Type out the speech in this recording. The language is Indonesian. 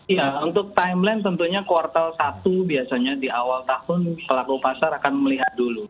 iya untuk timeline tentunya kuartal satu biasanya di awal tahun pelaku pasar akan melihat dulu